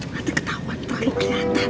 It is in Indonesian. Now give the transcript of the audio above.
doy terketawa terlalu kelihatan